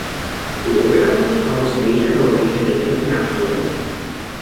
The organizers promise major Norwegian and International names.